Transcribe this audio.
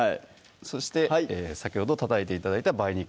そして先ほどたたいて頂いた梅肉